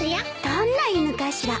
どんな犬かしら？